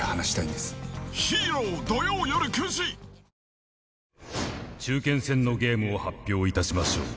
では中堅戦のゲームを発表いたしましょう。